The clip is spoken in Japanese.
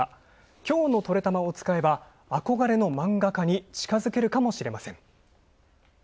きょうのトレたまを使えば憧れの漫画家に近づけるかもしれません。